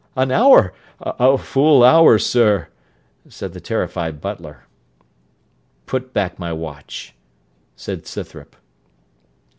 'An hour, a full hour, sir,' said the terrified butler. 'Put back my watch,' said Scythrop.